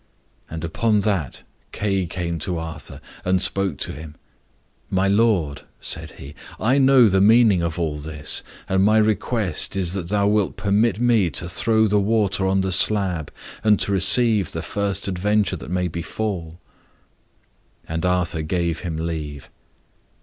And upon that Kay came to Arthur, and spoke to him. "My lord," said he, "I know the meaning of all this, and my request is that thou wilt permit me to throw the water on the slab, and to receive the first adventure that may befall." And Arthur gave him leave.